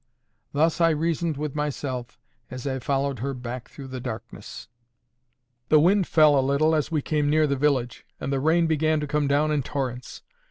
Thus I reasoned with myself as I followed her back through the darkness. The wind fell a little as we came near the village, and the rain began to come down in torrents.